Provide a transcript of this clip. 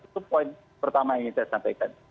itu poin pertama yang ingin saya sampaikan